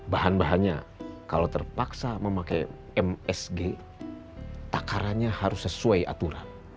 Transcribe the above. bahan bahannya kalau terpaksa memakai msg takarannya harus sesuai aturan